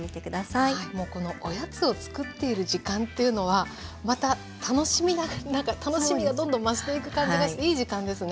もうこのおやつをつくっている時間っていうのはまた楽しみながらなんか楽しみがどんどん増していく感じがしていい時間ですね。